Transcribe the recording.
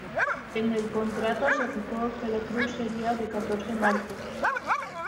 En el contrato se fijó que la cruz sería de catorce marcos.